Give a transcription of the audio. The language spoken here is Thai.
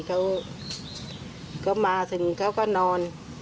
เขาก็มาถึงเขาก็นอน